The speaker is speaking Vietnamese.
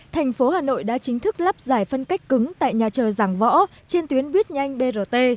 thành phố hà nội đã chính thức lắp giải phân cách cứng tại nhà chờ giảng võ trên tuyến buýt nhanh brt